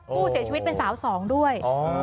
ผู้เสียชีวิตเป็นสาวสองด้วย